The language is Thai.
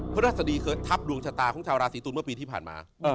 พระราชดีเคยทับดวงชะตาของชาวราศีตุลเมื่อปีที่ผ่านมา